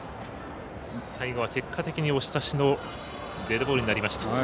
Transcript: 最後は結果的に押し出しのデッドボールになりました。